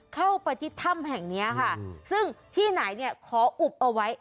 เข้าไปที่ถ้ำแห่งนี้ค่ะซึ่งที่ไหนเนี่ยขออุบเอาไว้